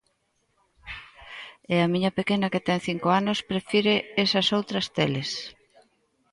E a miña pequena que ten cinco anos prefire esas outras teles.